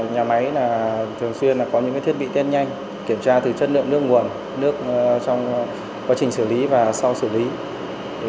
nhà máy thường xuyên có những thiết bị test nhanh kiểm tra từ chất lượng nước nguồn nước trong quá trình xử lý và sau xử lý